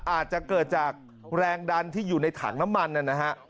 อาจจะเกิดจากแรงดันที่อยู่ในถังน้ำมันนะฮะ